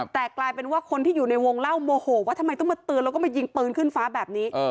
แต่กลายเป็นคุณอยู่ในวงเล่าโมโหว่าทำไมต้องปืนและจินปืนขึ้นฟ้าแบบนี้